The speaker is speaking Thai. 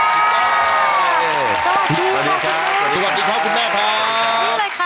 สวัสดีครับคุณแม่ครับ